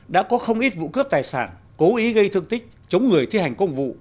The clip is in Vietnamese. đã có không ít vụ cướp tài sản cố ý gây thương tích chống người thi hành công vụ